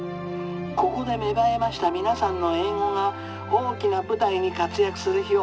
ここで芽生えました皆さんの英語が大きな舞台に活躍する日をお待ち申しております。